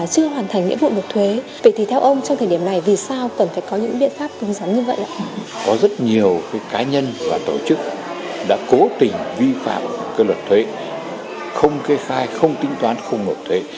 có rất nhiều cái cá nhân và tổ chức đã cố tình vi phạm cái luật thuế không kê khai không tính toán không nộp thuế